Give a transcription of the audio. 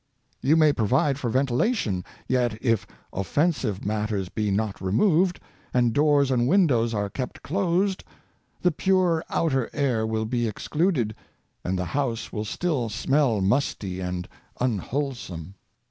You may provide for ventilation, yoX, if offensive matters be not removed, and doors and win dows are kept closed, the pure outer air will be ex cluded, and the house will still smell musty and unwhole some.